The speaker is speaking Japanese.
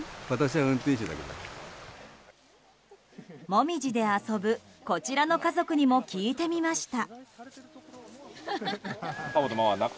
モミジで遊ぶこちらの家族にも聞いてみました。